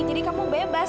jadi kamu bebas